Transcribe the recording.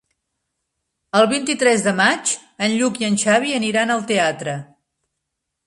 El vint-i-tres de maig en Lluc i en Xavi aniran al teatre.